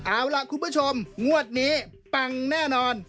เอาล่ะคุณผู้ชมงวดนี้ปังแน่นอน